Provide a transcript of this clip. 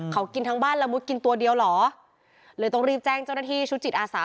เขากินทั้งบ้านละมุดกินตัวเดียวเหรอเลยต้องรีบแจ้งเจ้าหน้าที่ชุดจิตอาสา